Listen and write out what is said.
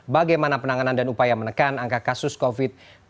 bagaimana penanganan dan upaya menekan angka kasus covid sembilan belas